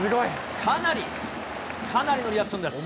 かなり、かなりのリアクションです。